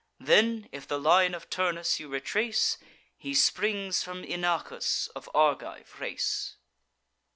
Then, if the line of Turnus you retrace, He springs from Inachus of Argive race."